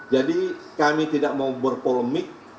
jadi kami tidak mau berpolemik